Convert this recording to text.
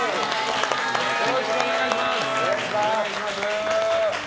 よろしくお願いします。